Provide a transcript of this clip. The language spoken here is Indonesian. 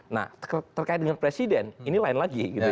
nah terkait dengan presiden ini lain lagi gitu